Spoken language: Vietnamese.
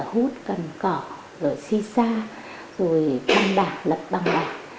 hút cần cỏ rồi si xa rồi băng đả lật băng đả